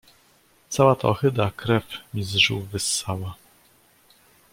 "Cała ta ohyda krew mi z żył wysysała."